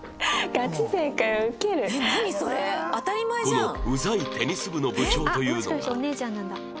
このウザいテニス部の部長というのが